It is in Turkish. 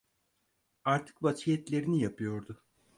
Artık vasiyetlerini yapıyordu.